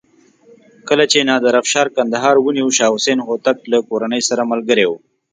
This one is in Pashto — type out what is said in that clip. کله چې نادر افشار کندهار ونیو شاه حسین هوتک له کورنۍ سره ملګری و.